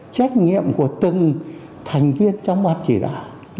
trách nhiệm của từng thành viên trong ban chỉ đạo